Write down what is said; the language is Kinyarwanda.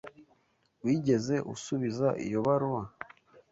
Wigeze usubiza iyo baruwa?